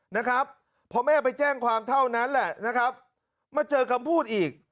นะครับพอแม่ไปแจ้งความเท่านั้นแหละนะครับมาเจอคำพูดอีก